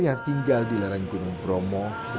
jangan lupa subscribe channel sembilan